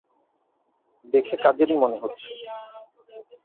দেখে কাজেরই মনে হচ্ছে।